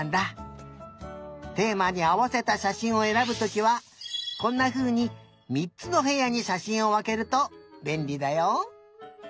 テーマにあわせたしゃしんをえらぶときはこんなふうに３つのへやにしゃしんをわけるとべんりだよ。